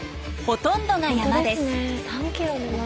ほとんどが山です。